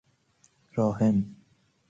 راحم